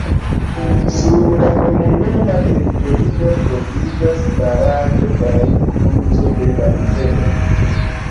Sur la komunuma teritorio troviĝas baraĵo kaj kluzo de la rivero.